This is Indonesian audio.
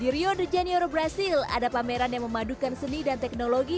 di rio de janeiro brazil ada pameran yang memadukan seni dan teknologi